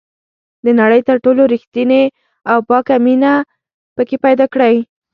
د نړۍ تر ټولو ریښتینې او پاکه مینه پکې پیدا کړئ.